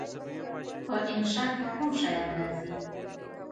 په انشأ کې کوم شیان راځي؟